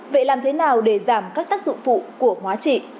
vậy làm thế nào để giảm các tác dụng phụ của hóa trị